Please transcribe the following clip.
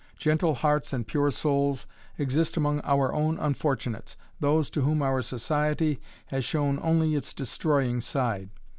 Gentle hearts and pure souls exist among our own unfortunates, those to whom our society has shown only its destroying side.